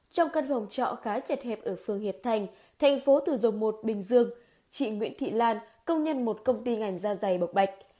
trong căn phòng trọ khá chật hẹp ở phương hiệp thành thành phố thừa dông một bình dương chị nguyễn thị lan công nhân một công ty ngành da dày bọc bạch